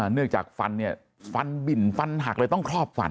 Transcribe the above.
จากฟันเนี่ยฟันบิ่นฟันหักเลยต้องครอบฟัน